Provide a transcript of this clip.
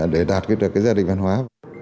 để đạt được gia đình văn hóa